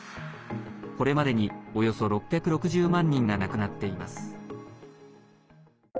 これまでに、およそ６６０万人が亡くなっています。